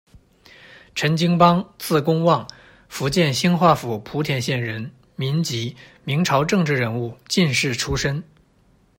陈经邦，字公望，福建兴化府莆田县人，民籍，明朝政治人物、进士出身。